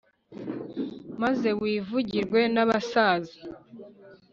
maze wivugirwe n’abasaza